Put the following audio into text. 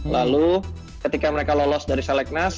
lalu ketika mereka lolos dari selek nas